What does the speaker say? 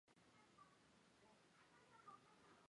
黄热病疫苗不应该用于出现症状的爱滋病患者。